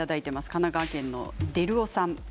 神奈川県の方です。